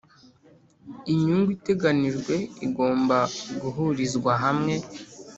Inyungu iteganijwe igomba guhurizwa hamwe